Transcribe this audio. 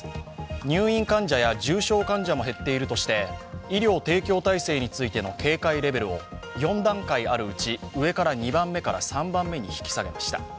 入院患者や重症患者も減っているということで医療提供体制についての警戒レベルを４段階あるうち、上から２番目から３番目に引き下げました。